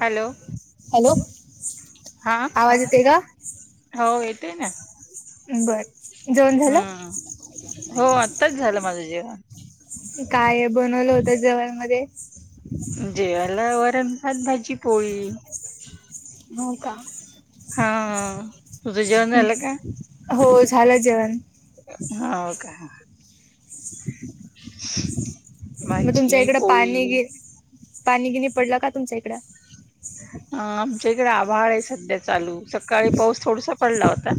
Hello hello? हा, आवाज येते का? ते ना, बर जेवण झालं हम्म हो आत्ताच झालं माझं जीवन, काय बनवलं होत जेवण, मध्य? जेवाला वरन भात, भाजी पोळी, हो का, हा तुझ जेवन झाला का. हो झालं जेवण. हा ओके. [unintelligible] मग तुमच्या भाजी इकडं पाणी पोळी ग पाणी गिनी पडला का तुमच्या इकडं. अ आमच्या इकडे आभाड आहे सध्या चालू सकाळी पाऊस थोडसा पडला होता.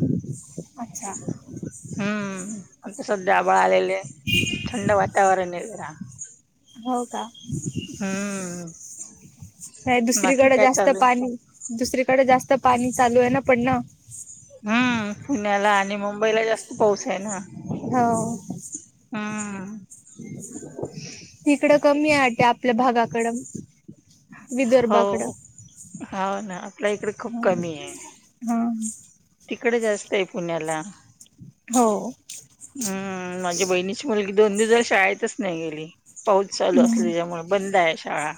अच्छा. हम्म तस डाबळ आलेले थंड वातावरण आहे बरा. हो का. हम्म, बाकी दुसरीकडे काय जास्त चालू आहे? पाणी, दुसरीकडे जास्त पाणी चालू आहे ना, पड्णा, हम्म पुण्याला आणि मुंबईला जास्त पाऊस आहे ना, हो, हा, तिकडं कमी आहे, वाटत आपल्या भागाकड? हो हो ना, आपल्या इकडे खूप कमी आहे. ह. इकडे जास्त आहे पुण्याला. हो. हम्म माझ्या बहिणीची मुलगी दोन दिवसला शाळेतच नाही गेली. पाऊच चालू असली त्यामुळे बंद आहे शाळा.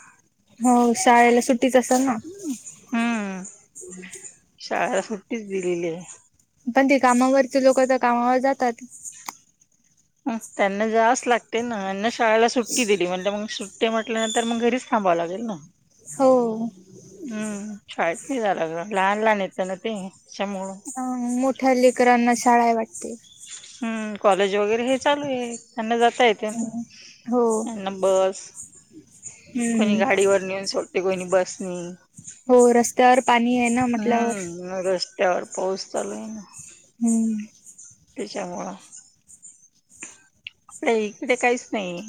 हो शाळेला सुट्टीच असल ना. शळ सुट्टीच दिलेली आहे. पण ते कामावरती लोक तर कामावर जातात. त्यांना जास्स लागते नाना शाळेला सुट्टी दिली म्हणे मग सुट्टी म्हटल्यानंतर मग घरीच ख ला लाेल ना. हो हम्म शाळेत नाही झालं ग लहान लहान येतं ना ते. त्याच्यामुळं. अ मोठ्या लेकरांना शाळा वाटते. हम्म कॉलेज वगैरे हे चालू आहे त्यांना ज येत हो नाना बस कोणी हम्म गाडीवर नेऊन सड. कोय नि बस नि. हो रस्त्यावर पाणी आहे ना म्हटल्यावर. त्यावर पोसताल ना. हम्म. पिच्या मळा. इकडे काहीच नाही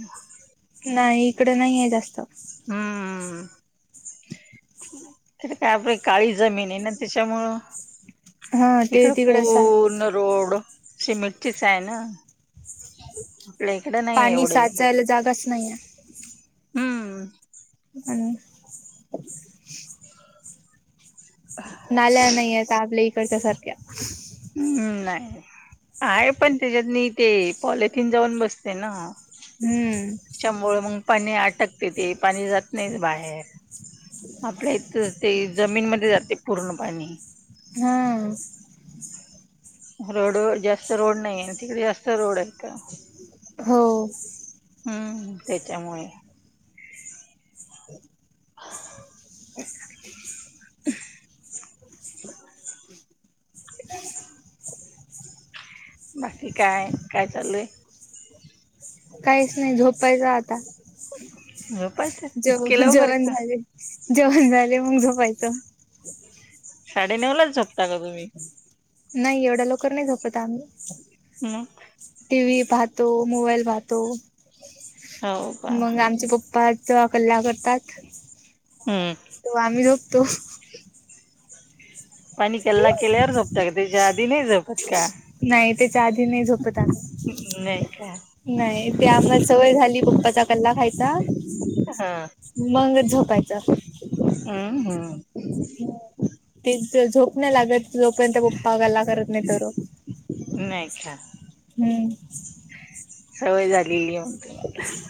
नाही इकडे नाहीय जास्त. हम्मम. तथ काय आपल्या काळी जमीन आहे ना त्याच्यामुळं. हा ते इकडे तिकड सा पूर्ण रोड. शिमेटचीच आहे ना. आपल्या इकडे नाही पाणी एवढे साचायला जागाच नाही हम्म. आणि नाल्या नाहीयेत आपल्या इकडच्या सारख्या हम्म नाही. आहे पण त्याच्यात म ते पॉलिथिन जाऊन बसते ना. हम्म शभो मग पाणी आटकते ते पाणी जात नाहीच बाहेर. आपल्या इथ ते जमीनमध्ये जाते पूर्ण पाणी. हम्म. अच् रोड जास्त रोड नाही आहे तिकडे जास्त रोड आहे का? हो हम्म त्याच्यामुळे [unintelligible] बाकी काय काय चालुय. काहीच नाही झोपायच आता ह. जेव जेवण झाले जेवण झाले मग जपायचं. साडे नऊ लाच झोपता का तुम्ही नाही एवढ्या लोकर नाही झोपत आम्ही. हम्म. टी व्ही पाहतो मोबाईल पाहतो हो का मग आमचे पप्पा. चवा कल्ला करतात हम्म त आम्ही झोपतो. पाणी कल्ला केल्यावर झोपतं का त्याच्या आधी नाही झोपत. का नाही त्याच्या आधी नाही झोपत. नाही का नाही ते आम्हाला सवय झाली फक्त. पप्पाचा कल्ला खायचा हा मंग झोपायचा. हम्म हम्म ते झोप न लागत. जोपर्यंत पपपा गला करत नाही तर [unintelligible] हम्. सवय झालेली म्हण त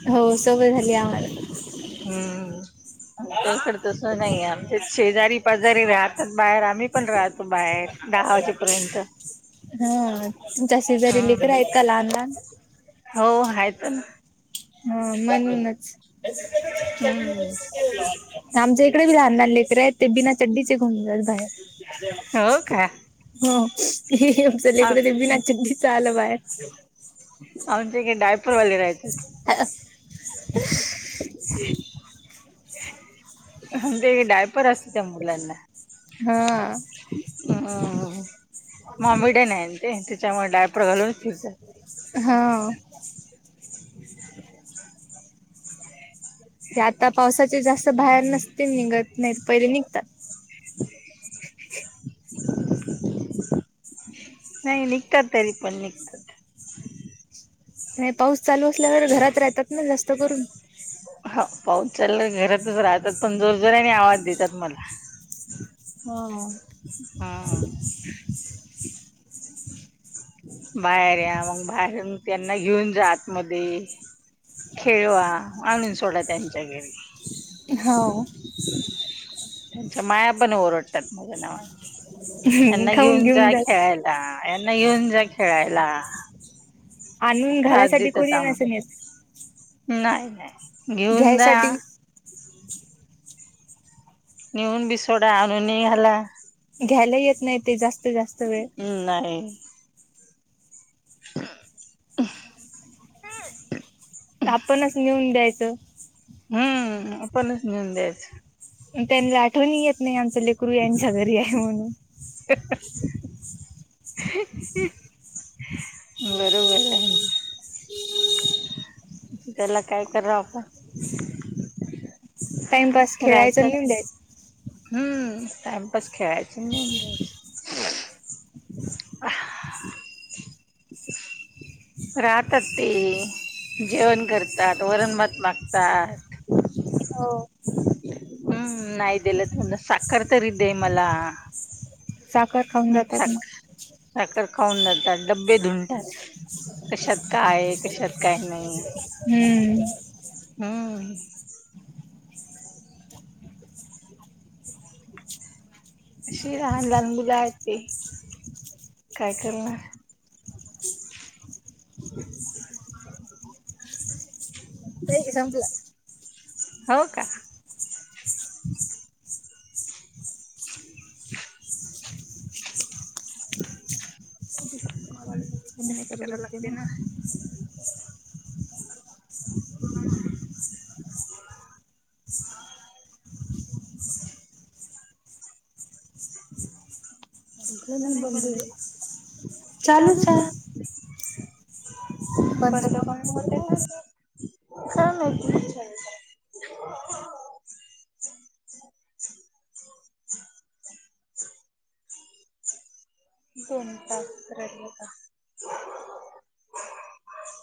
हो सवय झाली आम्हाला त्याकड तस नाही आमच्या शेजारी पाजारी राहतात बाहेर आम्ही पण राहतो बाहेर दहा वाजेपर्यंत हा तुमच्या शेजारीलीकड हम्म आहेत का लहान लहान हो हच ना. हा म्हणूनच हम्म आमच. इकडे बी लहान लह लेकर आहेत ते बिना चड्डीचेुंजात बाहेर हो का? हो हे आमचं लेकड ते बनाी चालं बाहेर आमच्या काडे डायपूरवाले राहत. ह. म्हण ते डायपर असत त्या मुलांना हम ममबड नाही ते त्याच्यामुळे डायपर घालून फिरतात. हा. [unintelligible] आता पावसाचे जास्त बाहेर नसते निघत नाहीत पहिले निघतात. [unintelligible] नाही निघतात तरी पण निघतात. नाही पाऊस चालू असल्यावर घरात राहतात ना जास्त करून ह पाऊस चालला घरातच राहतात पण जोर जरा आणि आवाज देतात मला हम्म हा. बाहेर या मग बाहेर मग त्यांना घेऊन जात मध्ये खेळवा आणून सोडा त्यांच्या घरी हो. त्यांच्या माया पण ओरडतात माझ्या नावाने त्यांना खाऊन घेऊन जा जात खेळायला. यांना येऊन जा खेळायला. आणून त्रास घरासाठी देतात कोणी आम्हाला नसनेत. नाही नाही घेऊन द्या घ्यायसाठी निऊन बि सोडा आनुनी घाला. घ्यायला येत नाही ते जास्त जास्त वेळ अ आपणच नेऊन द्यायचं. हम्म आपणच नेऊन द्यायचं. त्यांनला आठवणहि येत नाही आमचं लेकरू यांच्या घरी आहे म्हणून. ह ह बरोबर आहे. त्याला काय करा आपण टाइमपास खेळायचं राहतात लिह ते द्यायच. हम्म टाइमपास खेळायच नऊन दयायच. राहातात ते जेवण करतात वरणमात मागतात. हो. हम्म नाही देला तुम साखर तररी देेय मला साखर खाऊन ह सखर जातात मग. साखर. खाऊन जातात डबे धुनतात. कशात काय? कशात काय नाही? हम्म. हम. अशी लहान लहान मुला आहेत. त काय करणार? [unintelligible] ह संपलं. हो का? [unintelligible] [unintelligible] करय लागते ना? [unintelligible] [unintelligible] आपलं हिथलं नाही नई बंद हे... होईल. चालूच ए बंद करून होतं का ते? काय मायती [unintelligible] [unintelligible] दोन तास राहीलं का [unintelligible]